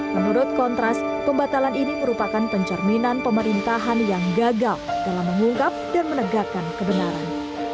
menurut kontras pembatalan ini merupakan pencerminan pemerintahan yang gagal dalam mengungkap dan menegakkan kebenaran